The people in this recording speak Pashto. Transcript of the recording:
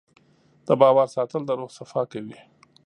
د باور ساتل د روح صفا کوي.